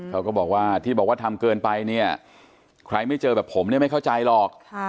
เขาก็บอกว่าที่บอกว่าทำเกินไปเนี่ยใครไม่เจอแบบผมเนี่ยไม่เข้าใจหรอก